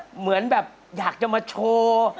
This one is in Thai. เหมือนแบบอยากจะมาโชว์